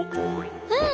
うん！